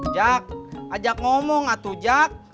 jak ajak ngomong atuh jak